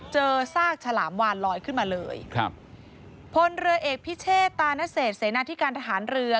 เจอซากฉลามวานลอยขึ้นมาเลยครับพลเรือเอกพิเชษตานเศษเสนาธิการทหารเรือ